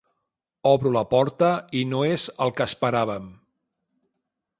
Obro la porta i no és el que esperàvem.